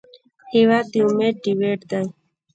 هېواد د امید ډیوټ دی.